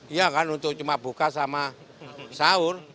iya kan untuk cuma buka sama sahur